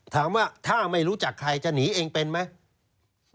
ถามว่าถ้าไม่รู้จักใครจะหนีเองเป็นไหม